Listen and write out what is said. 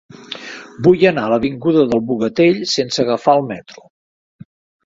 Vull anar a l'avinguda del Bogatell sense agafar el metro.